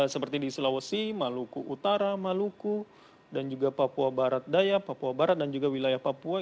seperti di sulawesi maluku utara maluku dan juga papua barat daya papua barat dan juga wilayah papua